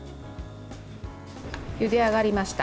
ゆで上がりました。